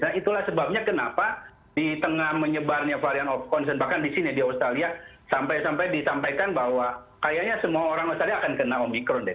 nah itulah sebabnya kenapa di tengah menyebarnya varian of concern bahkan di sini di australia sampai sampai disampaikan bahwa kayaknya semua orang australia akan kena omikron deh